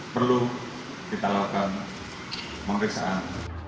perlu kita lakukan pemeriksaan